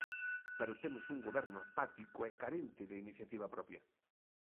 Pero temos un Goberno apático e carente de iniciativa propia.